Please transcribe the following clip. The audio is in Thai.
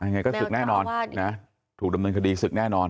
ยังไงก็ศึกแน่นอนถูกดำเนินคดีศึกแน่นอน